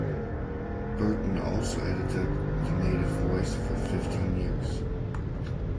Burton also edited "The Native Voice" for fifteen years.